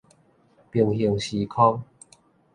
平行時空